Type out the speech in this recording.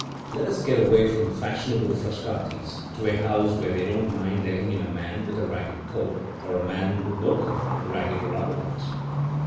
Let us get away from fashionable Frascati's, to a house where they don't mind letting in a man with a ragged coat, or a man with no coat, ragged or otherwise."